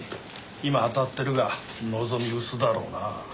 今あたっているが望み薄だろうな。